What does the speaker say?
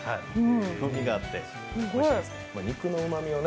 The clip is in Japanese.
風味があっておいしいですね。